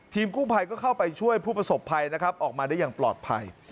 กู้ภัยก็เข้าไปช่วยผู้ประสบภัยนะครับออกมาได้อย่างปลอดภัย